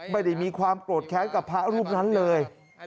ไม่ได้มีความโกรธแค้นกับพระรูปนั้นเลย